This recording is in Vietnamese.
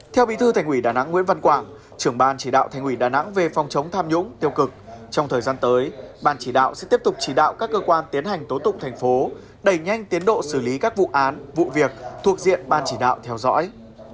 theo bí thư thành ủy đà nẵng nguyễn văn quảng trưởng ban chỉ đạo thành ủy đà nẵng về phòng chống tham nhũng tiêu cực trong thời gian tới ban chỉ đạo sẽ tiếp tục chỉ đạo các cơ quan tiến hành tố tụng thành phố đẩy nhanh tiến độ xử lý các vụ án vụ việc thuộc diện ban chỉ đạo theo dõi